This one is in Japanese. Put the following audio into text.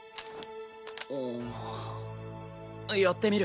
うんやってみる。